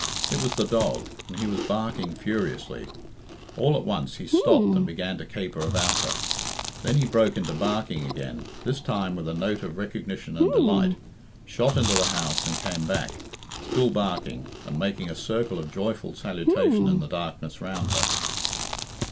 It was the dog, and he was barking furiously. All at once he stopped and began to caper about her. Then he broke into barking again, this time with a note of recognition and delight, shot into the house and came back, still barking, and making a circle of joyful salutation in the darkness round her.